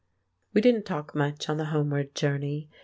We didn't talk much on the homeward journey.